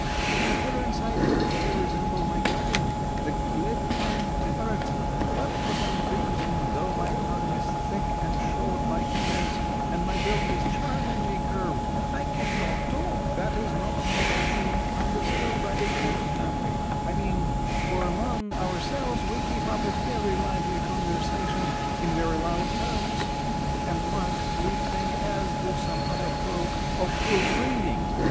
"In appearance I greatly resemble my cousin, the glib tongued parrot, but for some reason, though my tongue is thick and short like his, and my bill as charmingly curved, I cannot talk that is, not to be understood by the human family, I mean, for among ourselves we keep up a very lively conversation, in very loud tones a mark we think, as do some other folk, of good breeding.